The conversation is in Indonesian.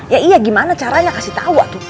ya iya gimana caranya kasih tau tuh